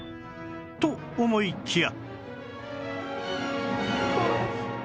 と思いきや